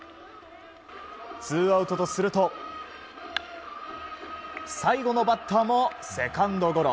ツーアウトとすると最後のバッターもセカンドゴロ。